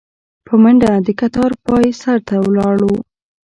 په منډه د کتار پاى سر ته ولاړو.